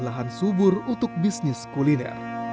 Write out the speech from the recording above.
lahan subur untuk bisnis kuliner